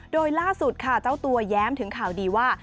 โดยล่าสุดค่ะเจ้าตัวแย้มถึงข่าวดีว่า